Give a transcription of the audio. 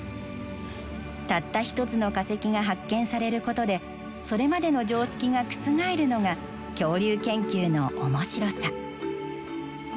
たった一つの化石が発見されることでそれまでの常識が覆るのが恐竜研究の面白さ。